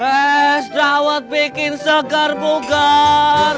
es dawet bikin segar bugar